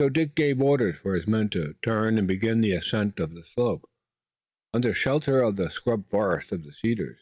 So Dick gave orders for his men to turn and begin the ascent of the slope, under shelter of the scrub forest of cedars.